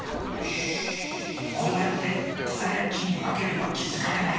こうやってくさやきにばければきづかれない。